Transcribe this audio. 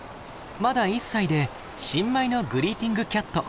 まだ１歳で新米のグリーティングキャット。